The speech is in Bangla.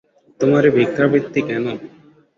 তোমার এ ভিক্ষাবৃত্তি কেন।